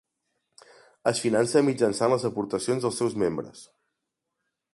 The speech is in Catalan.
Es finança mitjançant les aportacions dels seus membres.